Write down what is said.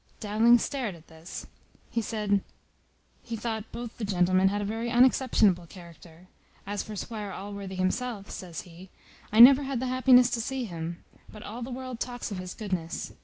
Dowling stared at this. He said, "He thought both the gentlemen had a very unexceptionable character. As for Squire Allworthy himself," says he, "I never had the happiness to see him; but all the world talks of his goodness.